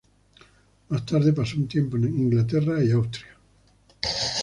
Más tarde pasó un tiempo en Inglaterra y Austria.